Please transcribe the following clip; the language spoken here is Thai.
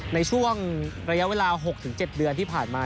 ในช่วงระยะเวลา๖๗เดือนที่ผ่านมา